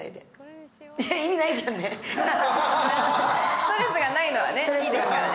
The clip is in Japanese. ストレスがないのはいいですからね。